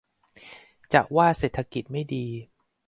จะว่าเศรษฐกิจไม่ดี